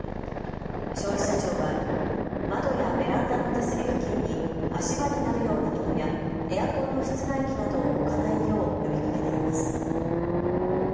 消費者庁は窓やベランダの手すり付近に足場になるようなものやエアコンの室外機などを置かないよう呼びかけています。